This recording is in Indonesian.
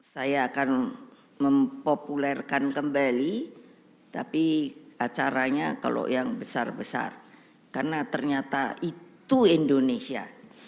saya akan mempopulerkan kembali tapi acaranya kalau yang besar besar karena ternyata itu indonesia